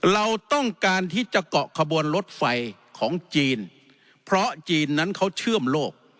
เราต้องการที่จะเกาะขบวนรถไฟของจีนเพราะจีนนั้นเขาเชื่อมโลก